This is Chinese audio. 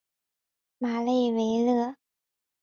马勒维勒。